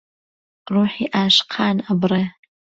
ڕۆحی عاشقان ئەبڕێ